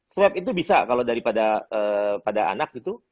swab itu bisa kalau daripada pada anak gitu